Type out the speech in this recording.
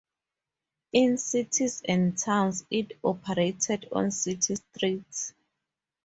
In cities and towns it operated on city streets.